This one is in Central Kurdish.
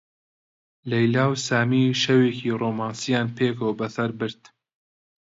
لەیلا و سامی شەوێکی ڕۆمانسییان پێکەوە بەسەر برد.